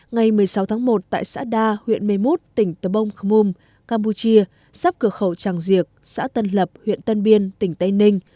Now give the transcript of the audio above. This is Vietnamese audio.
ngày một mươi sáu tháng một tại xã đa huyện mê mút tỉnh tờ bông khmum campuchia sắp cửa khẩu tràng diệc xã tân lập huyện tân biên tỉnh tây ninh